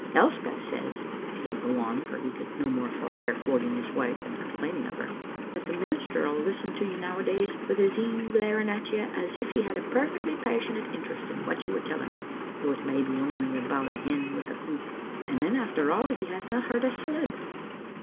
Elspeth says," he would go on, for he could no more forbear quoting his wife than complaining of her, "that the minister'll listen to you nowadays wi' his een glar ing at you as if he had a perfectly passionate interest in what you were telling him (though it may be only about a hen wi' the croup), and then, after all, he hasna heard a sylib.